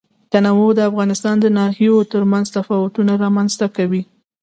تنوع د افغانستان د ناحیو ترمنځ تفاوتونه رامنځ ته کوي.